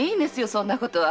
そんなことは。